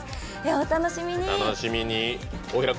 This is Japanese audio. お楽しみに！